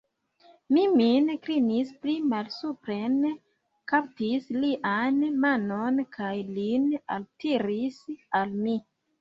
Mi min klinis pli malsupren, kaptis lian manon kaj lin altiris al mi.